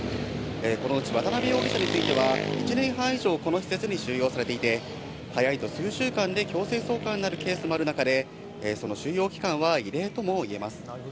このうち渡辺容疑者については、１年半以上この施設に収容されていて、早いと数週間で強制送還になるケースもある中で、その収容期間はなるほど。